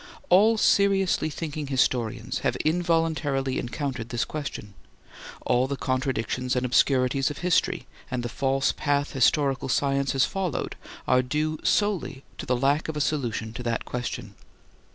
All seriously thinking historians have involuntarily encountered this question. All the contradictions and obscurities of history and the false path historical science has followed are due solely to the lack of a solution of that question.